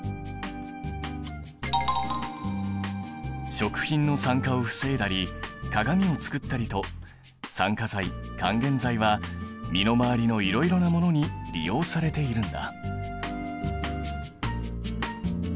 食品の酸化を防いだり鏡を作ったりと酸化剤還元剤は身の回りのいろいろなものに利用されているんだ。